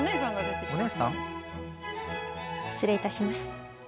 失礼いたします。